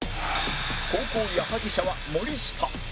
後攻矢作舎は森下